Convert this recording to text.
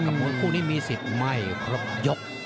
มวยคู่นี้มีสิทธิ์ไม่ครบยก